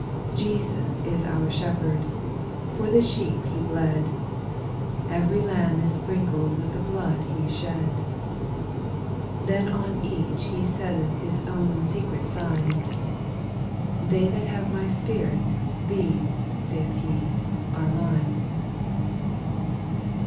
8. Jesus is our Shepherd; — for the sheep Ho bled, Every lamb is sprinkled with the blood He shed; Then on each He setteth His own secret sign,— " They that have My Spirit, these," saith He, " are mine."